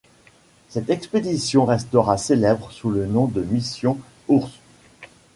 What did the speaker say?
Cette expédition restera célèbre sous le nom de mission Hourst.